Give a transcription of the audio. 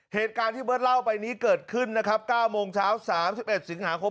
เหตุการณ์ที่เบิร์ตเล่าไปนี้เกิดขึ้นนะครับ๙โมงเช้า๓๑สิงหาคม